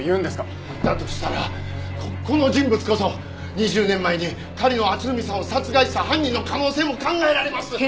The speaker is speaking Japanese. だとしたらここの人物こそ２０年前に狩野篤文さんを殺害した犯人の可能性も考えられます！